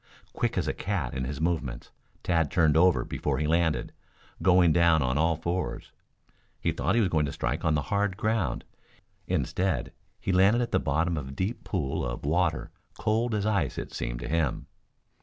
Quick as a cat in his movements Tad turned over before he landed, going down on all fours. He thought he was going to strike on the hard ground. Instead he landed at the bottom of a deep pool of water cold as ice it seemed to him.